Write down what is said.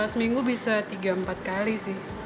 seminggu bisa tiga empat kali sih